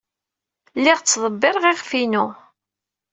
Lliɣ ttḍebbireɣ iɣef-inu.